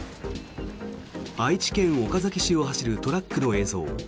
愛知県岡崎市を走るトラックの映像。